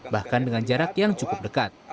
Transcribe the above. bahkan dengan jarak yang cukup dekat